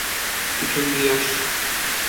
পিছন দিয়ে আসছে!